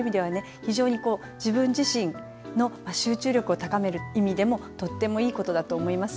非常に自分自身の集中力を高める意味でもとってもいい事だと思います。